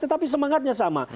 tetapi semangatnya sama